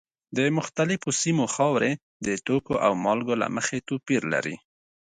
د مختلفو سیمو خاورې د توکو او مالګو له مخې توپیر لري.